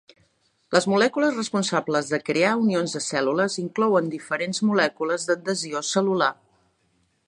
Les molècules responsables de crear unions de cèl·lules inclouen diferents molècules d'adhesió cel·lular.